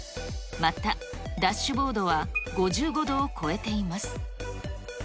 またダッシュボードは５５度を超えています。